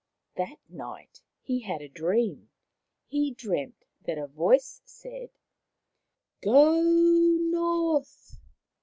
That night he had a dream. He dreamt that a voice said :" Go north.